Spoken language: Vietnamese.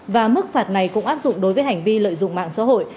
và mức phạt này cũng áp dụng đối với hành vi lợi dụng mạng xã hội